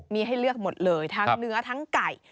มีให้เลือกหมดเลยทั้งเนื้อทั้งไก่